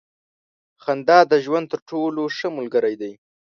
• خندا د ژوند تر ټولو ښه ملګری دی.